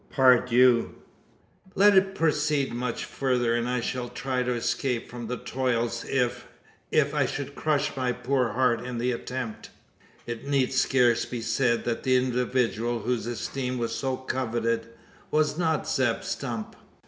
Par dieu! Let it proceed much further, and I shall try to escape from the toils if if I should crush my poor heart in the attempt!" It need scarce be said that the individual, whose esteem was so coveted, was not Zeb Stump.